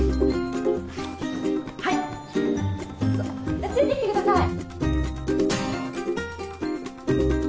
じゃついてきてください！